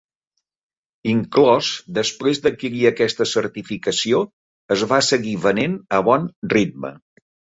Inclòs després d'adquirir aquesta certificació es va seguir venent a bon ritme.